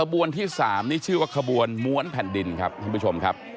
บวนที่๓นี่ชื่อว่าขบวนม้วนแผ่นดินครับท่านผู้ชมครับ